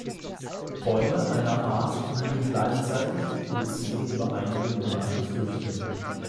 Bäume einer Art blühen gleichzeitig und produzieren über einige Monate Früchte.